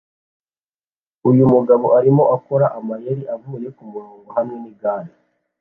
Uyu mugabo arimo akora amayeri avuye kumurongo hamwe nigare